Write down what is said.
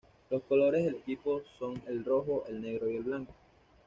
Los colores del equipo son el rojo, el negro y el blanco.